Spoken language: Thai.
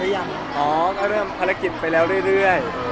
ยังอ๋อก็เริ่มภารกิจไปแล้วเรื่อย